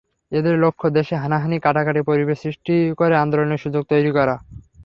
এদের লক্ষ্য দেশে হানাহানি, কাটাকাটির পরিবেশ সৃষ্টি করে আন্দোলনের সুযোগ তৈরি করা।